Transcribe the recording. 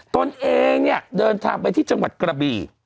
ตนเองเนี่ยเดินทางไปที่จังหวัดกระบี่